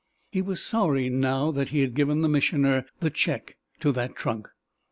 He was sorry now that he had given the Missioner the check to that trunk.